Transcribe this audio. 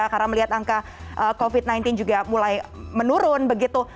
karena melihat angka covid sembilan belas juga mulai menurun begitu